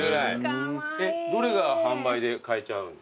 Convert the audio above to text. どれが販売で買えちゃうんですか？